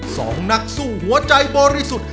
สองนักสู้หัวใจบริสุทธิ์